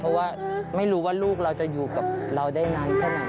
เพราะว่าไม่รู้ว่าลูกเราจะอยู่กับเราได้นานแค่ไหน